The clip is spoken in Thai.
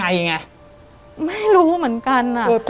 แต่ขอให้เรียนจบปริญญาตรีก่อน